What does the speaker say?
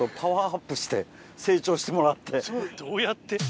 どうやって？